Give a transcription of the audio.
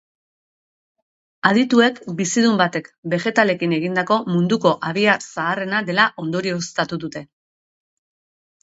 Adituek bizidun batek begetalekin egindako munduko habia zaharrena dela ondorioztatu dute.